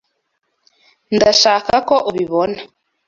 Ndashaka ko ubibona.